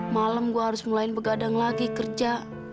malam gue harus mulai begadang lagi kerja